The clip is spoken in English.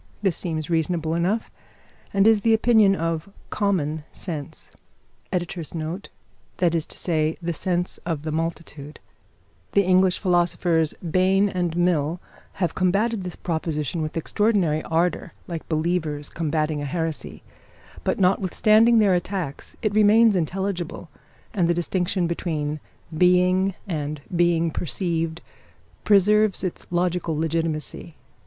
This seems reasonable enough, and is the opinion of "common" sense. The English philosophers, Bain and Mill, have combated this proposition with extraordinary ardour, like believers combating a heresy. But notwithstanding their attacks it remains intelligible, and the distinction between being and being perceived preserves its logical legitimacy.